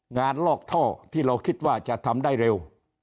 ลอกท่อที่เราคิดว่าจะทำได้เร็ว